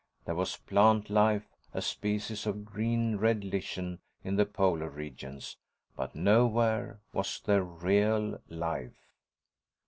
There was plant life, a species of green red lichen in the Polar regions. But nowhere was there real life.